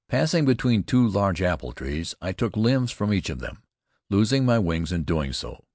Passing between two large apple trees, I took limbs from each of them, losing my wings in doing so.